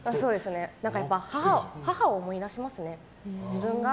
やっぱり母を思い出しますね。